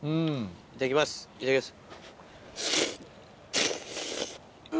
いただきますいただきます。